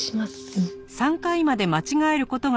うん。